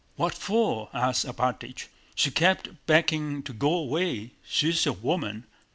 "What for?" asked Alpátych. "She kept begging to go away. She's a woman!